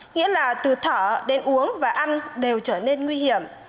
nghĩa là từ thở đến uống và ăn đều trở nên nguy hiểm